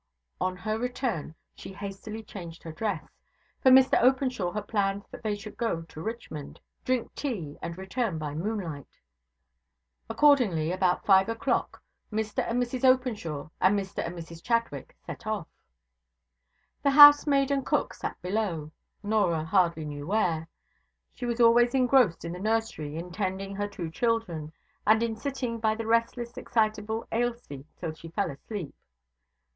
On her return she hastily changed her dress; for Mr Openshaw had planned that they should go to Richmond, drink tea, and return by moonlight. Accordingly, about five o'clock, Mr and Mrs Openshaw and Mr and Mrs Chadwick set off. The housemaid and cook sat below, Norah hardly knew where. She was always engrossed in the nursery in tending her two children, and in sitting by the restless, excitable Ailsie till she fell asleep.